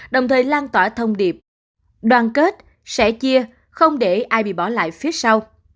đồng thời lan tỏa thông điệp đoàn kết sẻ chia không để ai bị bỏ lại phía sau